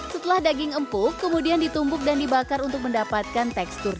setelah daging empuk kemudian ditumbuk dan dibakar untuk mendapatkan tekstur